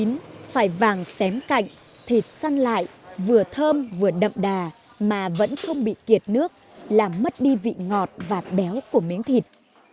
nến phải vàng xém cạnh thịt săn lại vừa thơm vừa đậm đà mà vẫn không bị kiệt nước làm mất đi vị ngọt và béo của miếng thịt